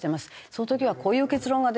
「その時はこういう結論が出ました」